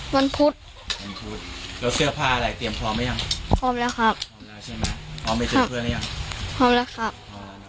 ขอบคุณตำรวจเข้าคุณตำรวจหน่อย